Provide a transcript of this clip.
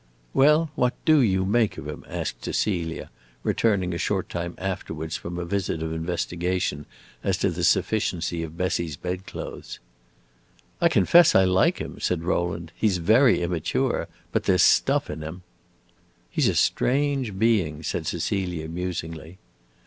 "Well, what do you make of him?" asked Cecilia, returning a short time afterwards from a visit of investigation as to the sufficiency of Bessie's bedclothes. "I confess I like him," said Rowland. "He 's very immature, but there 's stuff in him." "He 's a strange being," said Cecilia, musingly.